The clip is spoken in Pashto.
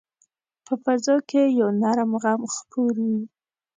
په فضا کې یو نرم غم خپور وي